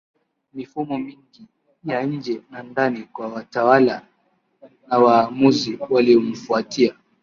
mifumo mingi ya nje na ndani kwa watawala na waamuzi waliomfuatia